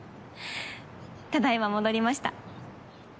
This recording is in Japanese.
ただいま戻りました。